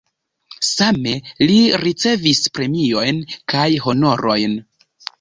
Same li ricevis premiojn kaj honorojn.